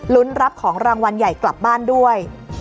รับของรางวัลใหญ่กลับบ้านด้วย